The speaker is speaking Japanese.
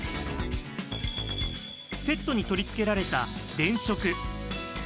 セットに取り付けられた電飾。